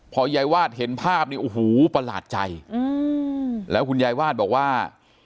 พอยายวาดเห็นภาพนี่โอ้โหประหลาดใจแล้วคุณยายวาดบอกว่า